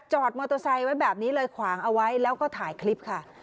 มอเตอร์ไซค์ไว้แบบนี้เลยขวางเอาไว้แล้วก็ถ่ายคลิปค่ะ